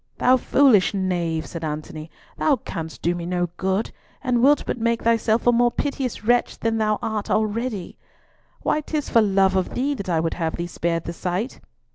"Thou foolish knave," said Antony, "thou canst do me no good, and wilt but make thyself a more piteous wretch than thou art already. Why, 'tis for love of thee that I would have thee spared the sight."